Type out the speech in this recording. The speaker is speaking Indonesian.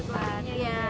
ekspand ya berarti aja